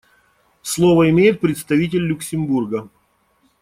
Слово имеет представитель Люксембурга.